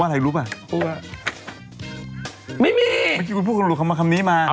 เป็นอะไรเป็นอะไรป่ะ